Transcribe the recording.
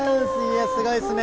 すごいですね。